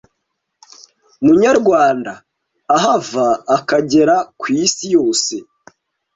munyarwanda ahava akagera ku isi yose